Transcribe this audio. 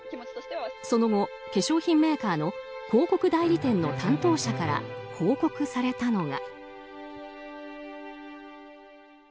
その後、化粧品メーカーの広告代理店の担当者から報告されたのが。